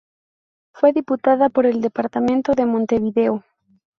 Fue diputada por el departamento de Montevideo.